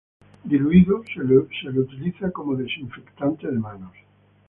Diluido, se lo utiliza como desinfectante de manos.